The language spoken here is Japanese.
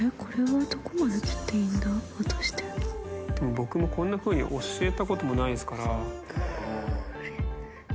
僕もこんなふうに教えたこともないですから。